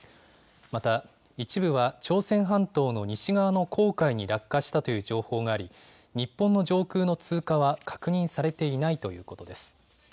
また、一部は朝鮮半島の西側の黄海に落下したという情報があり、日本の上空の通過は確認されていないということです。